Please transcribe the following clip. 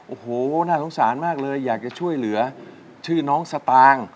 โอ้โหน่าสงสารมากเลยอยากจะช่วยเหลือชื่อน้องสตางค์